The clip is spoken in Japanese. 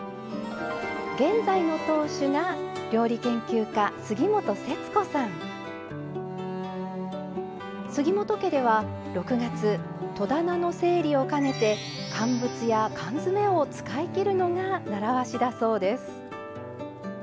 現在の当主が杉本家では６月戸棚の整理を兼ねて乾物や缶詰を使いきるのが習わしだそうです。